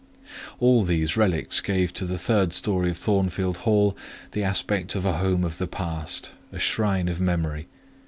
All these relics gave to the third storey of Thornfield Hall the aspect of a home of the past: a shrine of memory.